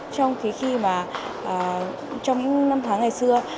trong những năm tháng ngày xưa